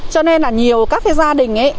cho nên là nhiều các gia đình ấy